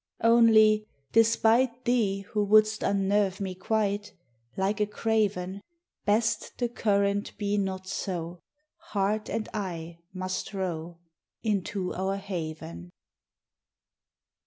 Only, despite Thee, who wouldst unnerve me quite Like a craven, Best the current be not so, Heart and I must row Into our haven!